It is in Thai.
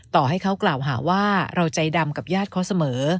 ต่อให้เขากล่าวหาว่าเราใจดำกับญาติเขาเสมอ